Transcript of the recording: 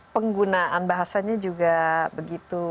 penggunaan bahasanya juga begitu